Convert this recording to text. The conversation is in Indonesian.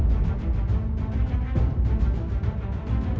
gusti prabu jakatwanglah yang berhak